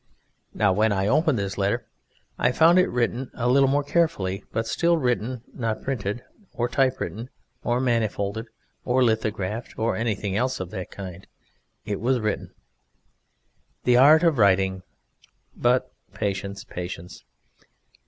Now, when I opened this letter, I found it written a little more carefully, but still, written, not printed, or typewritten, or manifolded, or lithographed, or anything else of that kind. It was written. The art of writing ... but Patience! Patience!...